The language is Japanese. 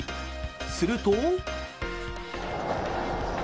すると。